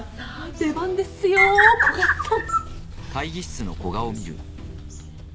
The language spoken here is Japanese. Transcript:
出番ですよ古賀さん。